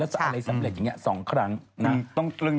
อะไรสำเร็จอย่างนี้๒ครั้ง